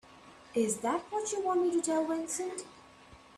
Is that what you want me to tell Vincent?